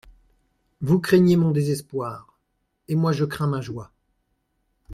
Vous craignez mon désespoir, et moi, je crains ma joie.